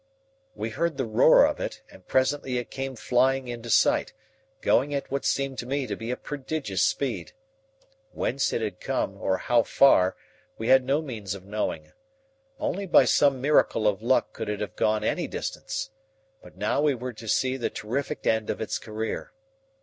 We heard the roar of it, and presently it came flying into sight, going at what seemed to me to be a prodigious speed. Whence it had come, or how far, we had no means of knowing. Only by some miracle of luck could it have gone any distance. But now we were to see the terrific end of its career.